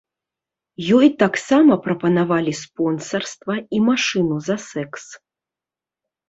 Ёй таксама прапанавалі спонсарства і машыну за сэкс.